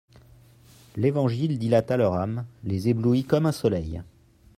L'Évangile dilata leur âme, les éblouit comme un soleil.